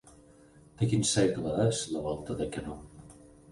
De quin segle és la volta de canó?